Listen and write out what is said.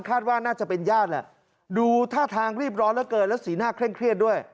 ว่าน่าจะเป็นญาติแหละดูท่าทางรีบร้อนเหลือเกินแล้วสีหน้าเคร่งเครียดด้วย